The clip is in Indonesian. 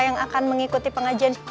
yang akan mengikuti pengajian